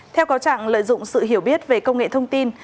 theo có trạng lợi dụng sự hiểu biết về công nghệ thông tin